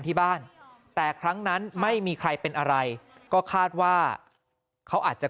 ที่บ้านแต่ครั้งนั้นไม่มีใครเป็นอะไรก็คาดว่าเขาอาจจะ